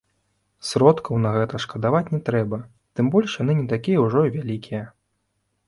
Сродкаў на гэта шкадаваць не трэба, тым больш яны не такія ўжо і вялікія.